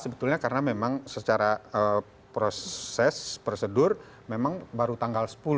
sebetulnya karena memang secara proses prosedur memang baru tanggal sepuluh